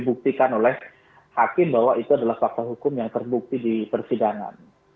dibuktikan oleh hakim bahwa itu adalah fakta hukum yang terbukti di persidangan